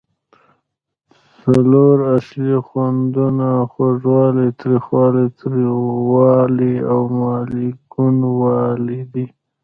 څلور اصلي خوندونه خوږوالی، تریخوالی، تریوالی او مالګینو والی دي.